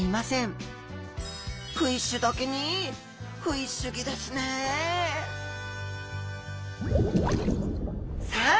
フィッシュだけにフィッシュギですねさあ